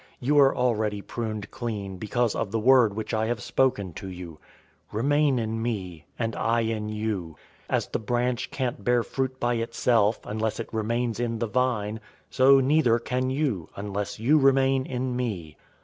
015:003 You are already pruned clean because of the word which I have spoken to you. 015:004 Remain in me, and I in you. As the branch can't bear fruit by itself, unless it remains in the vine, so neither can you, unless you remain in me.